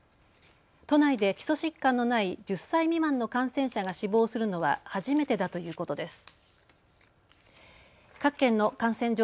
都内で基礎疾患のない１０歳未満の感染者が死亡するのは初めてだということです。